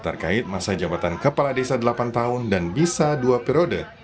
terkait masa jabatan kepala desa delapan tahun dan bisa dua periode